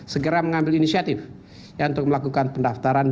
segera mengambil inisiatif untuk melakukan pendaftaran